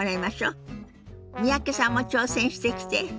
三宅さんも挑戦してきて。